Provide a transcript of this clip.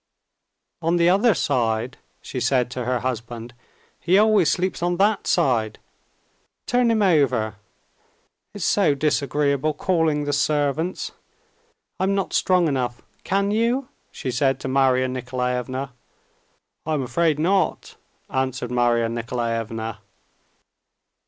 "On the other side," she said to her husband, "he always sleeps on that side. Turn him over, it's so disagreeable calling the servants. I'm not strong enough. Can you?" she said to Marya Nikolaevna. "I'm afraid not," answered Marya Nikolaevna.